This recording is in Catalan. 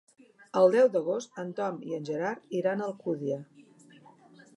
El deu d'agost en Tom i en Gerard iran a Alcúdia.